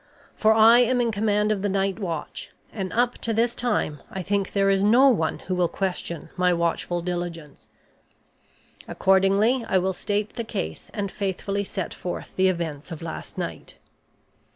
For I am in command of the night watch, and up to this time I think there is no one who will question my watchful diligence. Accordingly I will state the case and faithfully set forth the events of last night.